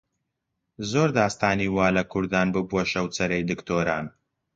زۆر داستانی وا لە کوردان ببووە شەوچەرەی دکتۆران